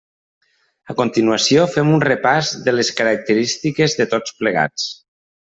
A continuació fem un repàs de les característiques de tots plegats.